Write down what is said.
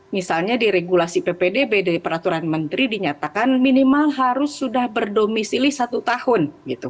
misalnya di regulasi ppdb dari peraturan menteri dinyatakan minimal harus sudah berdomisili satu tahun